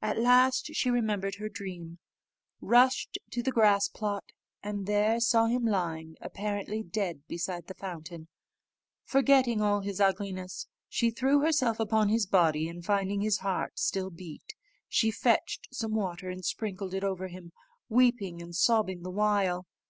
At last she remembered her dream, rushed to the grass plot, and there saw him lying apparently dead beside the fountain. Forgetting all his ugliness, she threw herself upon his body, and, finding his heart still beat, she fetched some water and sprinkled it over him, weeping and sobbing the while.